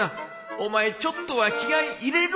お前ちょっとは気合入れろ